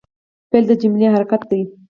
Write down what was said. فعل د جملې حرکت دئ.